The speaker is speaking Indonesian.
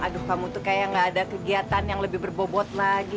aduh kamu tuh kayak gak ada kegiatan yang lebih berbobot lagi